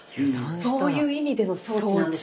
そういう意味での装置なんですね。